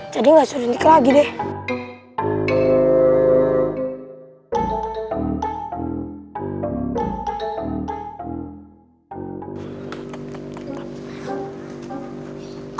jadi gak disuntik lagi deh